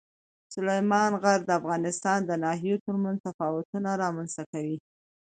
سلیمان غر د افغانستان د ناحیو ترمنځ تفاوتونه رامنځته کوي.